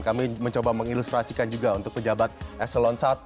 kami mencoba mengilustrasikan juga untuk pejabat eselon satu a